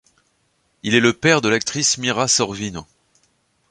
Il est le père de l'actrice Mira Sorvino.